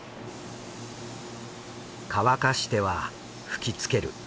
乾かしては吹きつける。